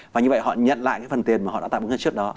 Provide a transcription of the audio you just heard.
và như vậy họ nhận lại phần tiền mà họ đã tạm ứng hơn trước đó